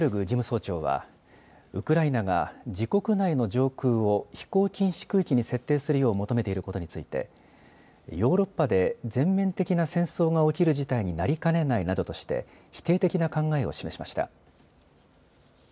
事務総長はウクライナが自国内の上空を飛行禁止区域に設定するよう求めていることについてヨーロッパで全面的な戦争が起きる事態になりかねないなどとして否定的な考えを示しました。